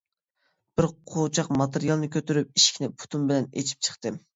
بىر قۇچاق ماتېرىيالنى كۆتۈرۈپ، ئىشىكنى پۇتۇم بىلەن ئېچىپ چىقتىم.